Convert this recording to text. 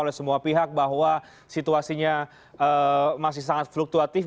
oleh semua pihak bahwa situasinya masih sangat fluktuatif